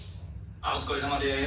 あお疲れさまです！